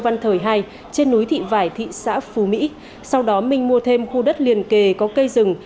văn thời hai trên núi thị vải thị xã phú mỹ sau đó minh mua thêm khu đất liền kề có cây rừng